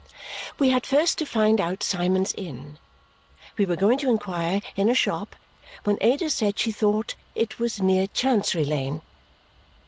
We had first to find out Symond's Inn. We were going to inquire in a shop when Ada said she thought it was near Chancery Lane.